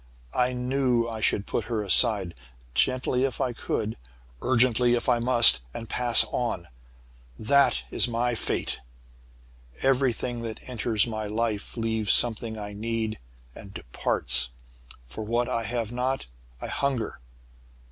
I knew I should put her aside, gently if I could, urgently, if I must, and pass on. That is my Fate! Everything that enters my life leaves something I need and departs! For what I have not, I hunger.